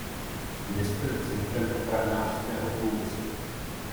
Město je centrem potravinářského průmyslu.